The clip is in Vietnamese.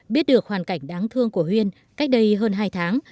biết được hoàn cảnh đáng thương của huyên cách đây hơn hai tháng